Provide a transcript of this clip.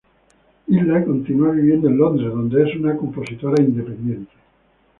Hilda continúa viviendo en Londres, donde es una compositora independiente.